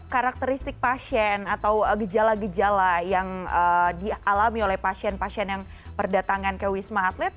karakteristik pasien atau gejala gejala yang dialami oleh pasien pasien yang berdatangan ke wisma atlet